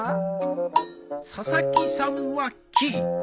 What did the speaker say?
佐々木さんは木。